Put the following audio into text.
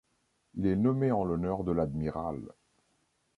Il est nommé en l'honneur de l'Admiral .